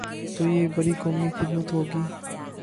تو یہ بڑی قومی خدمت ہو گی۔